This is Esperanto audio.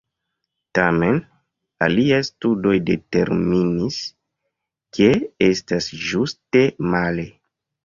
Tamen, aliaj studoj determinis ke estas ĝuste male.